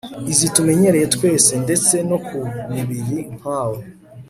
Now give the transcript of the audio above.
izitumenyereye twese, ndetse no ku mibiri nka we